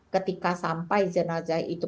ketika sampai jenazah itu